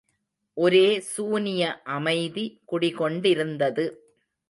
ஒரே சூனிய அமைதி குடிகொண்டிருந்தது.